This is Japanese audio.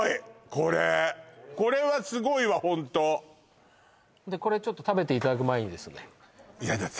これこれはすごいわホントでこれちょっと食べていただく前にですねやだあ